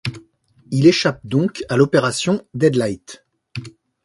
Il échappe donc à l'Opération Deadlight.